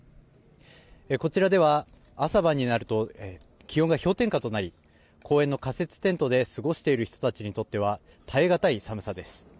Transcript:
こちらでは朝晩になると気温が氷点下となり公園の仮設テントで過ごしている人たちにとっては耐え難い寒さです。